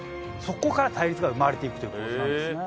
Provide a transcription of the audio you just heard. そこから対立が生まれていくという構図なんですね。